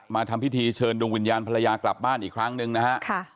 ทำพิธีเชิญดวงวิญญาณภรรยากลับบ้านอีกครั้งหนึ่งนะฮะ